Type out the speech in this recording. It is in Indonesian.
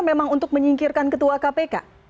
memang untuk menyingkirkan ketua kpk